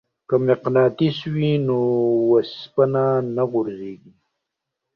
که مقناطیس وي نو وسپنه نه غورځیږي.